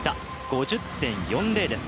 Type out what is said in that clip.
５０．４０です。